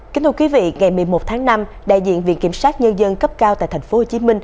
kính thưa quý vị ngày một mươi một tháng năm đại diện viện kiểm sát nhân dân cấp cao tại tp hcm